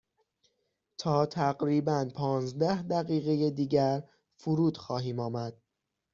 تا تقریبا پانزده دقیقه دیگر فرود خواهیم آمد.